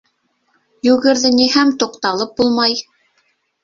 Йүгерҙениһәм — туҡталып булмай.